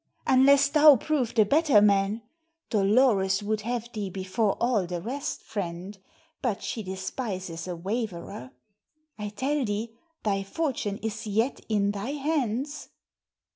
"Unless thou prove the better man. Dolores would have thee before all the rest, friend; but she despises a waverer. I tell thee thy fortune is yet in thy hands."